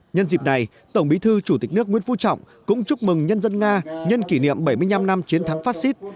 nhân dịp này tổng bí thư chủ tịch nước nguyễn phú trọng cũng chúc mừng nhân dân nga nhân kỷ niệm bảy mươi năm năm chiến thắng fascist